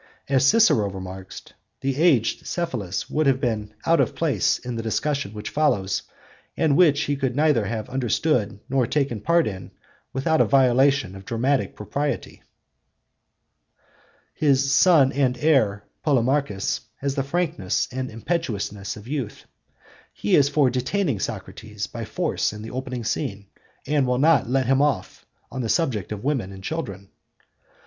As Cicero remarks (Ep. ad Attic. iv. 16), the aged Cephalus would have been out of place in the discussion which follows, and which he could neither have understood nor taken part in without a violation of dramatic propriety (cp. Lysimachus in the Laches). His 'son and heir' Polemarchus has the frankness and impetuousness of youth; he is for detaining Socrates by force in the opening scene, and will not 'let him off' on the subject of women and children.